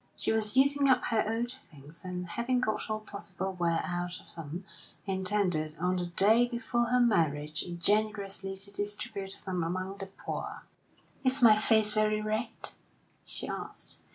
She was using up her old things, and having got all possible wear out of them, intended on the day before her marriage generously to distribute them among the poor. "Is my face very red?" she asked.